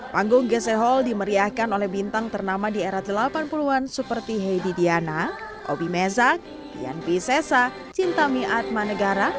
panggung gc hall dimeriahkan oleh bintang ternama di era delapan puluh an seperti heidi diana obi mezak dian pisesa cinta mi ad manegara